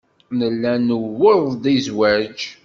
Nella nuweḍ-d i zzwaj.